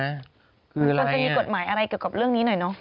มันควรจะมีกฎหมายอะไรเกี่ยวกับเรื่องนี้หน่อยเนอะ